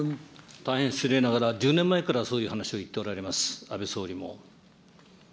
大変失礼ながら、１０年前からそういう話を言っておられます、安倍総理も。